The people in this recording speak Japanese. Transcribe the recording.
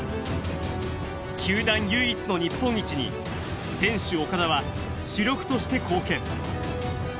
球団唯一の日本一に選手・岡田は主力として貢献。